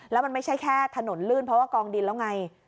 แล้วมันไม่ใช่แค่ถนนลื่นเพราะว่ากองดินแล้วไง